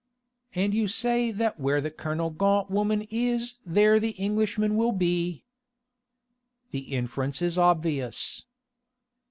"And you say that where the Kernogan woman is there the Englishmen will be...." "The inference is obvious."